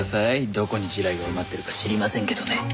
どこに地雷が埋まってるか知りませんけどね。